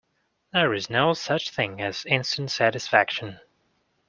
There is no such thing as instant satisfaction.